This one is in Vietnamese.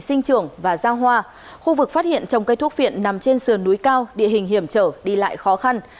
sinh trưởng và giang hoa khu vực phát hiện trồng cây thuốc viện nằm trên sườn núi cao địa hình hiểm trở đi lại khó khăn